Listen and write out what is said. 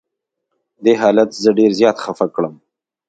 دې حالت زه ډېر زیات خفه کړم.